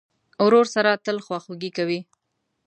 ورور سره تل خواخوږي کوې.